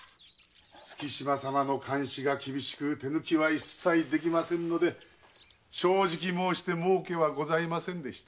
月島様の監視が厳しく手抜きは一切できませんので正直申して儲けはございません。